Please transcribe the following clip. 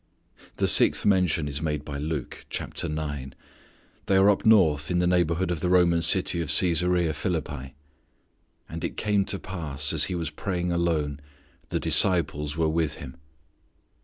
The sixth mention is made by Luke, chapter nine. They are up north in the neighbourhood of the Roman city of Cæsarea Philippi. "And it came to pass as He was praying alone, the disciples were with Him."